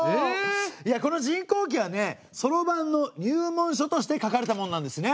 この「塵劫記」はそろばんの入門書として書かれたものなんですね。